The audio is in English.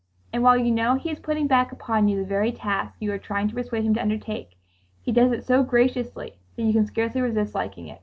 And while you know he is putting back upon you the very task you are trying to persuade him to undertake, he does it so graciously that you can scarcely resist liking it.